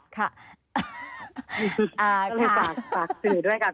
ก็เลยฝากสื่อด้วยค่ะ